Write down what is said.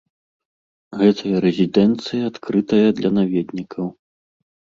Гэтая рэзідэнцыя адкрытая для наведнікаў.